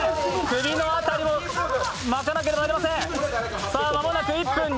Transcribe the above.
首の辺りも巻かなければなりません。